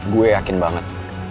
gue yakin banget